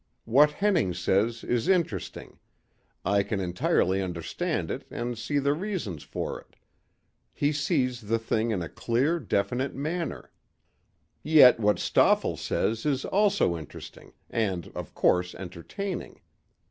What Henning says is interesting. I can entirely understand it and see the reasons for it. He sees the thing in a clear, definite manner. Yet what Stoefel says is also interesting and, of course, entertaining.